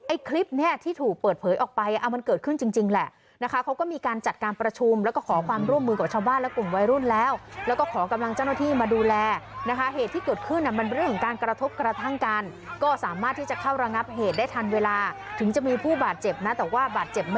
คลิปเนี้ยที่ถูกเปิดเผยออกไปเอามันเกิดขึ้นจริงจริงแหละนะคะเขาก็มีการจัดการประชุมแล้วก็ขอความร่วมมือกับชาวบ้านและกลุ่มวัยรุ่นแล้วแล้วก็ขอกำลังเจ้าหน้าที่มาดูแลนะคะเหตุที่เกิดขึ้นมันเป็นเรื่องของการกระทบกระทั่งกันก็สามารถที่จะเข้าระงับเหตุได้ทันเวลาถึงจะมีผู้บาดเจ็บนะแต่ว่าบาดเจ็บ